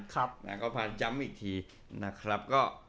ก็พาย้ำอีกทีนะครับ